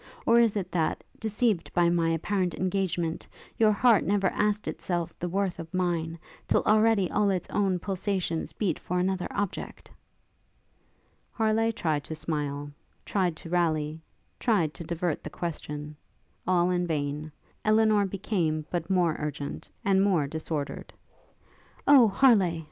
or is it that, deceived by my apparent engagement, your heart never asked itself the worth of mine, till already all its own pulsations beat for another object?' [Footnote 8: Dryden.] Harleigh tried to smile, tried to rally, tried to divert the question; all in vain; Elinor became but more urgent, and more disordered. 'O Harleigh!'